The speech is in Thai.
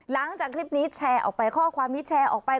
หลังจากคลิปนี้แชร์ออกไปข้อความนี้แชร์ออกไป